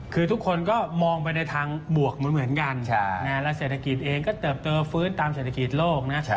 คือทุกคนก็มองไปในทางบวกเหมือนกันและเศรษฐกิจเองก็เติบโตฟื้นตามเศรษฐกิจโลกนะ